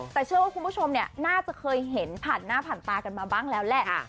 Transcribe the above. แต่เชื่อว่าคุณผู้ชมเนี่ยน่าจะเคยเห็นผ่านหน้าผ่านตากันมาบ้างแล้วแหละ